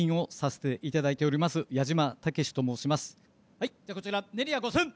・はいじゃあこちらネリア５，０００。